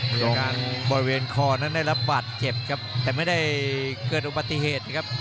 มีอาการบริเวณคอนั้นได้รับบาดเจ็บครับแต่ไม่ได้เกิดอุบัติเหตุครับ